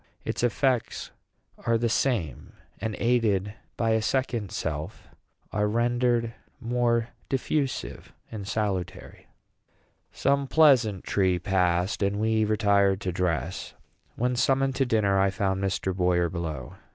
Its effects are the same, and, aided by a second self, are rendered more diffusive and salutary." Some pleasantry passed, and we retired to dress. When summoned to dinner, I found Mr. Boyer below.